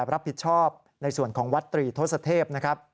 รับผิดชอบในส่วนของวัดตรีทศเทพนะครับ